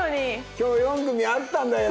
今日４組あったんだよな。